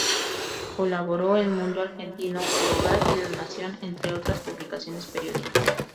Colaboró en "Mundo Argentino", "El Hogar" y "La Nación", entre otras publicaciones periódicas.